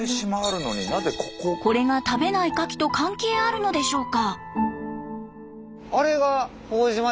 これが食べないカキと関係あるのでしょうか？